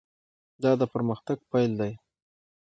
دا د پرمختګ پیل دی.